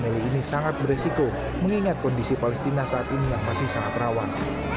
meli ini sangat beresiko mengingat kondisi palestina saat ini yang masih sangat rawan